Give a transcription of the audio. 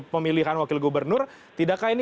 pemilihan wakil gubernur tidakkah ini